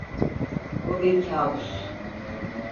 Bu bir kâbus.